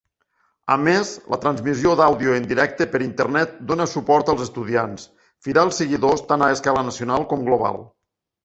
A més, la transmissió d'àudio en directe per internet dona suport als estudiants, fidels seguidors tant a escala nacional com global.